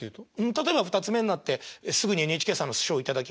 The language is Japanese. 例えば二ツ目になってすぐにＮＨＫさんの賞を頂きました。